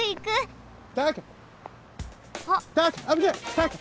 タカ